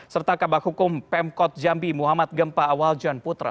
serta kabak hukum pemkot jambi muhammad gempa awal juan putra